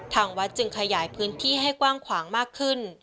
ทางวัดจึงขยายพื้นที่ให้กว้างขวางมากขึ้น